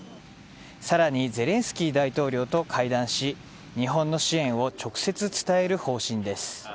さらにゼレンスキー大統領と会談し日本の支援を直接伝える方針です。